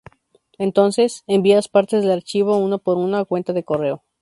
Entonces, envía las partes del archivo uno por uno a una cuenta de correo.